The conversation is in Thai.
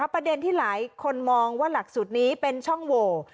ประเด็นที่หลายคนมองว่าหลักสูตรนี้เป็นช่องโหว